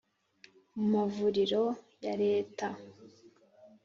mu mavuriro ya leta